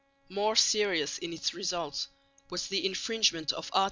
More serious in its results was the infringement of Art.